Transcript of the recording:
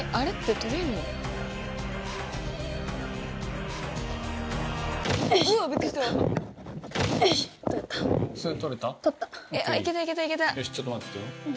取ったよしちょっと待っててよ